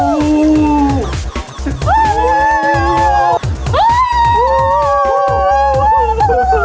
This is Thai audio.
นี่พวกมึง